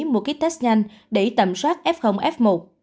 mua kit test nhanh để tầm soát f f một